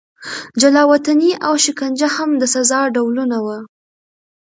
جلا وطني او شکنجه هم د سزا ډولونه وو.